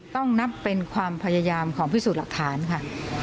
ต้องนับเป็นความพยายามของพิสูจน์หลักฐานค่ะ